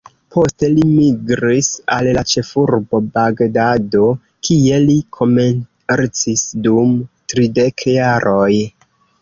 Poste li migris al la ĉefurbo Bagdado, kie li komercis dum tridek jaroj.